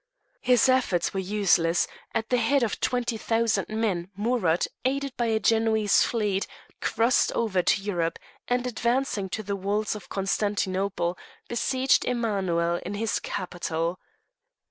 His efforts were useless: at the head of twenty thousand men, Amurath, aided by a Genoese fleet, crossed over to Europe, and advancing to the walls of Constantinople, besieged Emanuel in his capital.